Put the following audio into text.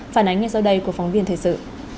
phản ánh ngay sau đây của phóng viên thời sự